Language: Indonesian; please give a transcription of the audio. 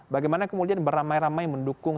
bagaimana kemudian beramai ramai mendukung